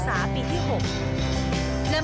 สวัสดีครับ